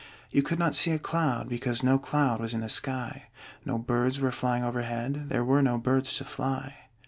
You could not see a cloud, because No cloud was in the sky. No birds were flying overhead There were no birds to fly.